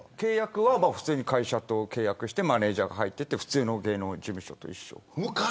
普通に会社と契約してマネジャー入って普通の芸能事務所です。